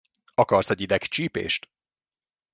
Akarsz egy idegcsípést?